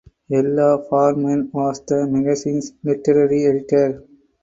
Ella Farman was the magazine’s literary editor.